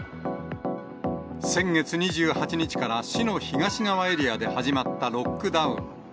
先月２８日から市の東側エリアで始まったロックダウン。